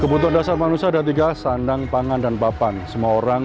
kebutuhan dasar manusia ada tiga sandang pangan dan papan semua orang